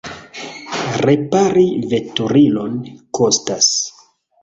Repari veturilon kostas.